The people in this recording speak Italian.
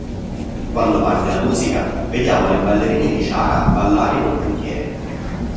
Quando parte la musica vediamo le ballerine di Ciara ballare in un cantiere.